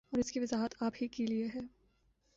اور اس کی وضاحت آپ ہی کیلئے ہیں